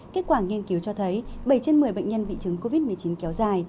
kết quả nghiên cứu cho thấy bảy trên một mươi bệnh nhân bị chứng covid một mươi chín kéo dài